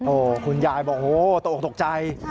โอ้คุณยายบอกโอ้โธตกใจ